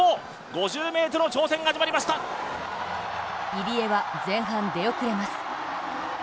入江は前半出遅れます。